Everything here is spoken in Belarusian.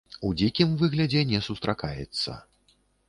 У дзікім выглядзе не сустракаецца.